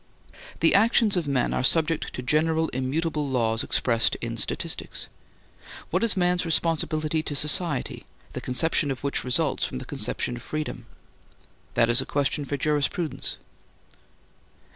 The actions of men are subject to general immutable laws expressed in statistics. What is man's responsibility to society, the conception of which results from the conception of freedom? That is a question for jurisprudence.